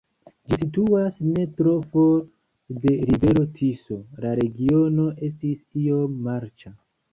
Ĝi situas ne tro for de rivero Tiso, la regiono estis iom marĉa.